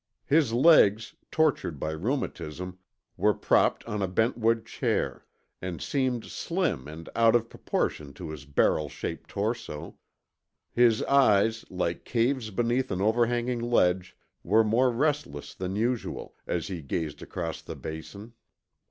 His legs, tortured by rheumatism, were propped on a bentwood chair, and seemed slim and out of proportion to his barrel shaped torso. His eyes, like caves beneath an overhanging ledge, were more restless than usual, as he gazed across the basin.